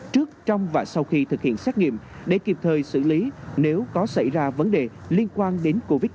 trước trong và sau khi thực hiện xét nghiệm để kịp thời xử lý nếu có xảy ra vấn đề liên quan đến covid một mươi chín